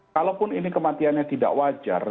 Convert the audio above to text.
kalaupun ini kematiannya tidak wajar